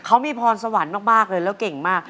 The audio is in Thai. เขามีพรสวรรค์มากเลยแล้วเก่งมาก